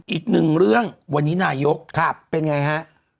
อีกหนึ่งเรื่องวันนี้นายกเป็นไงฮะ